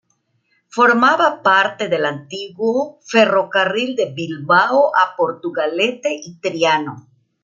Formaba parte del antiguo "Ferrocarril de Bilbao a Portugalete y Triano".